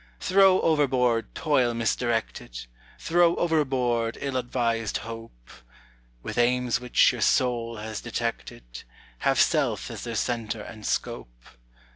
Throw overboard toil misdirected. Throw overboard ill advised hope, With aims which, your soul has detected, Have self as their centre and scope.